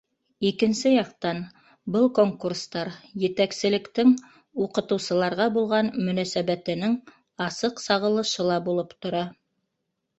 Икенсе яҡтан, был конкурстар етәкселектең уҡытыусыларға булған мөнәсәбәтенең асыҡ сағылышы ла булып тора.